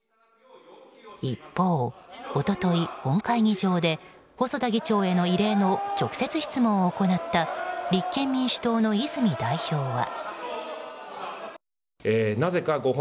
一方、一昨日本会議場で細田議長への異例の直接質問を行った立憲民主党の泉代表は。